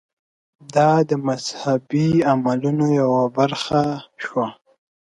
دا د مذهبي عملونو یوه برخه شوه.